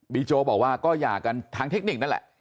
โจ๊กบอกว่าก็หย่ากันทางเทคนิคนั่นแหละ